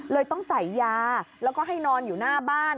ต้องใส่ยาแล้วก็ให้นอนอยู่หน้าบ้าน